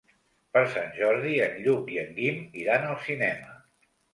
Per Sant Jordi en Lluc i en Guim iran al cinema.